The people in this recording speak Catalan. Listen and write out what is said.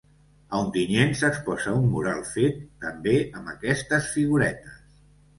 A Ontinyent s’exposa un mural fet també amb aquestes figuretes.